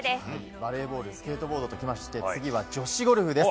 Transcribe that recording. バレーボールスケートボードときまして次は女子ゴルフです。